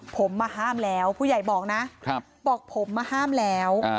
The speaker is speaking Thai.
ผมมาห้ามแล้วผู้ใหญ่บอกนะบอกผมมาห้ามแล้ว